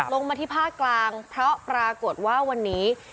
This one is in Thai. ลงมาที่ภาคกลางเพราะปรากฏว่าวันนี้